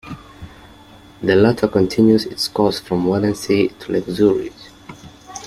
The latter continues its course from Walensee to Lake Zurich.